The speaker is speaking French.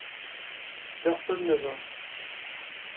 Personne ne vint.